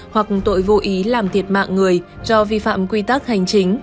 hoặc tội vô ý làm thiệt mạng người do vi phạm quy tắc hành chính